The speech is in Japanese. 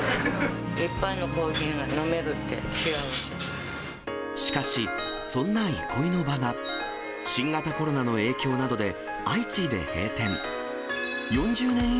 １杯のコーヒーが飲めるってしかし、そんな憩いの場が、新型コロナの影響などで、相次いで閉店。